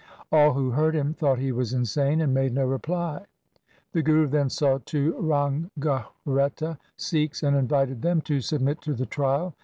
All who heard him thought he was insane and made no reply. The Guru then saw two Ranghreta Sikhs and invited them to submit to the trial.